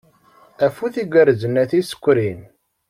Afud igerrzen a tisekrin.